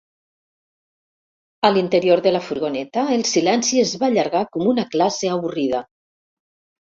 A l'interior de la furgoneta el silenci es va allargar com una classe avorrida.